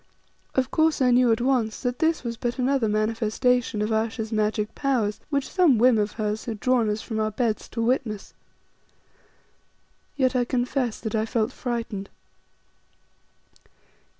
Of course I knew at once that this was but another manifestation of Ayesha's magic powers, which some whim of hers had drawn us from our beds to witness. Yet I confess that I felt frightened.